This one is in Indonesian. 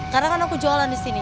karena kan aku jualan di sini